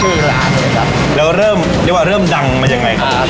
เราก็เริ่มเรียกว่าเริ่มดังมายังไงครับผม